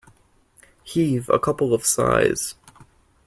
Heave a couple of sighs.